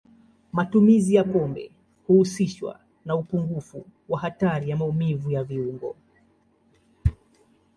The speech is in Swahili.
Matumizi ya pombe huhusishwa na upungufu wa hatari ya maumivu ya viungo.